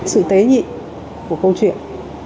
sự tế nhị của câu chuyện